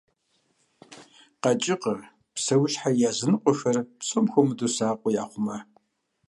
КъэкӀыгъэ, псэущхьэ языныкъуэхэр псом хуэмыдэу сакъыу яхъумэ.